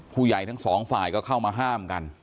ผู้ใหญ่ทั้งสองฝ่ายก็เข้ามาห้ามกัน